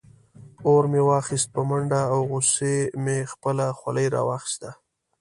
اور مې واخیست په منډه او غصې مې خپله خولۍ راواخیسته.